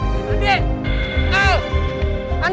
mungkin diaip no